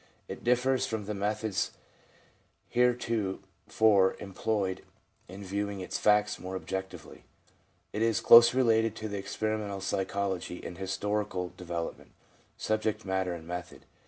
It differs from the methods heretofore employed in viewing its facts more objectively. It is closely related to experimental psychology in historical development, subject matter, and method.